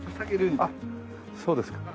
あっそうですか。